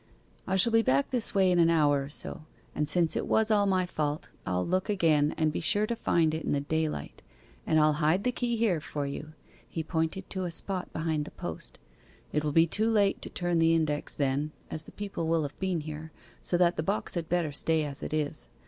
'I shall be back this way in an hour or so, and since it was all my fault, I'll look again, and shall be sure to find it in the daylight. And I'll hide the key here for you.' He pointed to a spot behind the post. 'It will be too late to turn the index then, as the people will have been here, so that the box had better stay as it is.